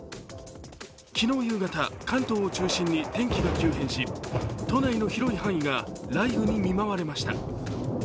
昨日夕方、関東を中心に天気が急変し都内の広い範囲が雷雨に見舞われました。